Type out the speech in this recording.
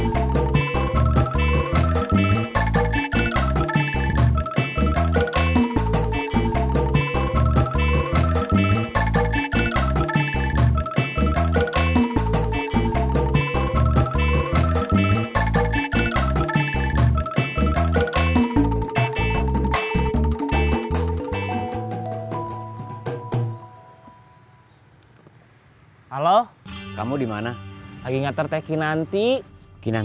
saya kan bilang tunggu disini aja